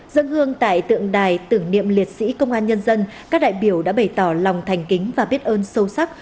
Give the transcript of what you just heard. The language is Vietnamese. dân hương tại tượng đài tưởng niệm liệt sĩ công an nhân dân các đại biểu đã bày tỏ lòng thành kính và biết ơn sâu sắc